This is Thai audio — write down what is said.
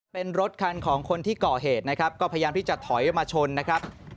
เป็นรถคันของคนที่ก่อเหตุนะครับก็พยายามที่จะถอยมาชนนะครับ